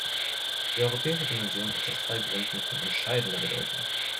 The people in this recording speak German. Die europäische Dimension ist aus zwei Gründen von entscheidender Bedeutung.